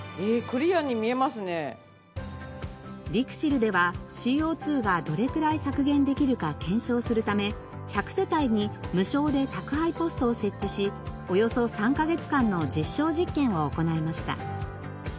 リクシルではＣＯ２がどれくらい削減できるか検証するため１００世帯に無償で宅配ポストを設置しおよそ３カ月間の実証実験を行いました。